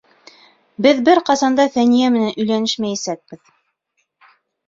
Беҙ бер ҡасан да Фәниә менән өйләнешмәйәсәкбеҙ.